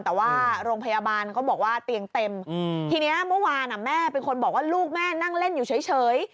แต่ว่าโรงพยาบาลก็บอกว่าเตียงเต็มทีนี้เมื่อวานแม่เป็นคนบอกว่าลูกแม่นั่งเล่นอยู่เฉย